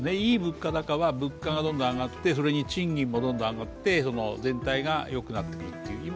いい物価高は物価がどんどん上がってそれに賃金もどんどん上がって全体がよくなっていくという。